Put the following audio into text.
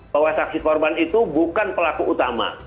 bahwa saksi korban itu bukan pelaku utama